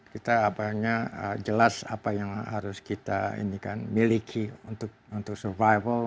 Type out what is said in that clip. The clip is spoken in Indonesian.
kita apanya jelas apa yang harus kita miliki untuk bertahan hidup untuk kembali ke dunia